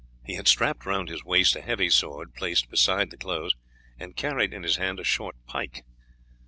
He had strapped round his waist a heavy sword placed beside the clothes, and carried in his hand a short pike.